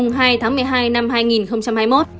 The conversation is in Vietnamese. ngày một mươi hai tháng một mươi hai năm hai nghìn hai mươi một